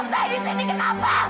buka pintunya sekarang